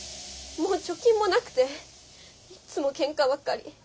もう貯金もなくていつも喧嘩ばかり。